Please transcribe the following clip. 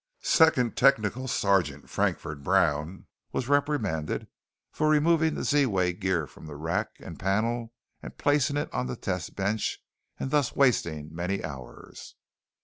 Second Technical Sergeant Frankford Brown was reprimanded for removing the Z wave gear from the rack and panel and placing it on the test bench and thus wasting many hours.